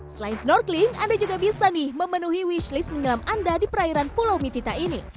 selain snorkeling anda juga bisa nih memenuhi wishlist menyelam anda di perairan pulau mitita ini